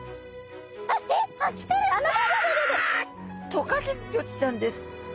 トカゲゴチちゃんです！